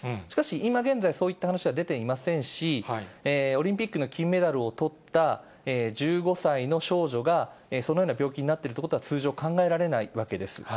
しかし、今現在、そういった話は出ていませんし、オリンピックの金メダルをとった１５歳の少女が、そのような病気になっているということは通常、考えられないわけです。